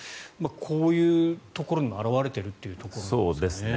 こういうところにも表れているということですね。